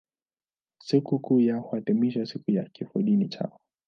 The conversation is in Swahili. Sikukuu yao huadhimishwa siku ya kifodini chao.